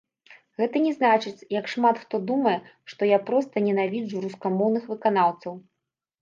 Гэта не значыць, як шмат хто думае, што я проста ненавіджу рускамоўных выканаўцаў.